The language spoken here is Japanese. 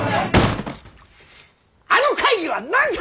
あの会議は何か！